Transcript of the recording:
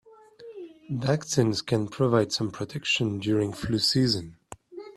Vaccines can provide some protection during flu season.